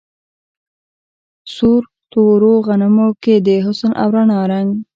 سور تورو غمونو کی د حسن او رڼا رنګ